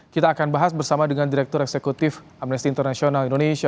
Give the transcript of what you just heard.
kita akan bahas bersama dengan direktur eksekutif amnesty international indonesia